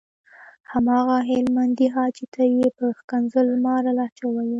هماغه هلمندي حاجي ته یې په ښکنځل ماره لهجه وويل.